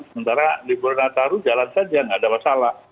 sementara di bulan nataru jalan saja tidak ada masalah